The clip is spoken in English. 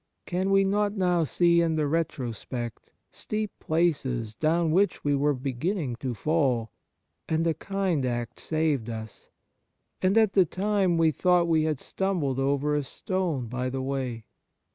Can we not now see in the retrospect steep places down which we were beginning to fall, and a kind act saved us, and at the time we thought we had stumbled over a stone by the way